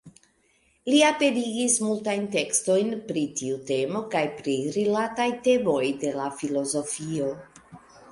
Li aperigis multajn tekstojn pri tiu temo kaj pri rilataj temoj de la filozofio.